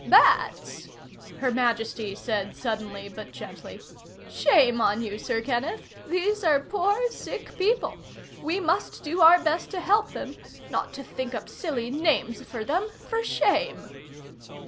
"Bats?" Her Majesty said suddenly, but gently. "Shame on you, Sir Kenneth. These are poor, sick people. We must do our best to help them not to think up silly names for them. For shame!"